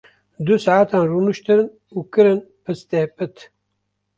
Du saetan rûniştin û kirin pistepit.